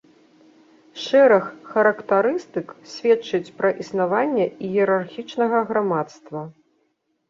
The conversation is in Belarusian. Шэраг характарыстык сведчыць пра існаванне іерархічнага грамадства.